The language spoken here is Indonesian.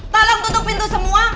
tolong tutup pintu semua